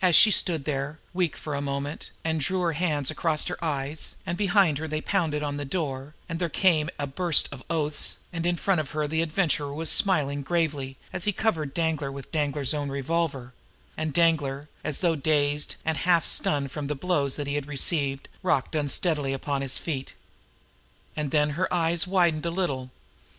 And she stood there, weak for the moment, and drew her hand across her eyes and behind her they pounded on the door, and there came a burst of oaths; and in front of her the Adventurer was smiling gravely as he covered Danglar with Danglar's own revolver; and Danglar, as though dazed and half stunned from the blows he had received, rocked unsteadily upon his feet. And then her eyes widened a little.